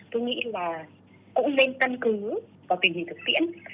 tôi nghĩ là cũng nên căn cứ vào tình hình thực tiễn